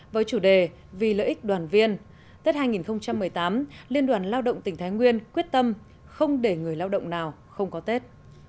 với chủ đề vì lợi ích đoàn viên tết hai nghìn một mươi tám liên đoàn lao động tỉnh thái nguyên quyết tâm không để người lao động nào không có tết